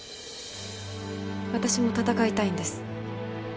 私も闘いたいんです。